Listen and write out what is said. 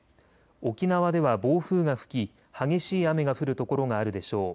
沖縄では暴風が吹き激しい雨が降る所があるでしょう。